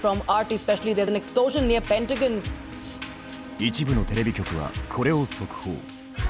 一部のテレビ局はこれを速報。